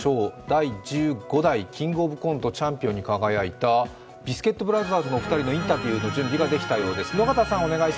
第１５代「キングオブコント」チャンピオンに輝いたビスケットブラザーズの準備ができたようです。